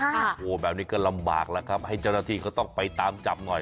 โอ้โหแบบนี้ก็ลำบากแล้วครับให้เจ้าหน้าที่เขาต้องไปตามจับหน่อย